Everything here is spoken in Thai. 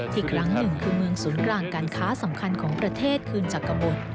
ครั้งหนึ่งคือเมืองศูนย์กลางการค้าสำคัญของประเทศคืนจักรบุตร